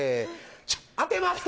当てました。